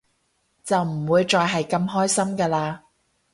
就唔會再係咁開心㗎喇